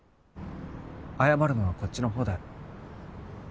謝るのはこっちの方だよ。